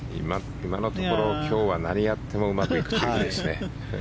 今のところ今日は何やってもうまくいくという日ですね。